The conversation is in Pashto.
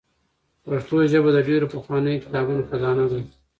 پښتو ژبه د ډېرو پخوانیو کتابونو خزانه ده.